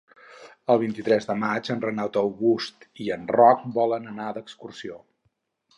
El vint-i-tres de maig en Renat August i en Roc volen anar d'excursió.